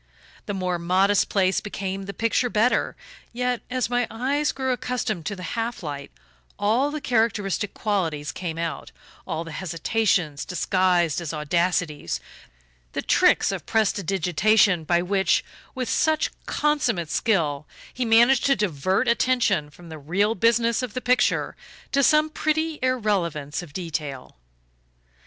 The more modest place became the picture better; yet, as my eyes grew accustomed to the half light, all the characteristic qualities came out all the hesitations disguised as audacities, the tricks of prestidigitation by which, with such consummate skill, he managed to divert attention from the real business of the picture to some pretty irrelevance of detail.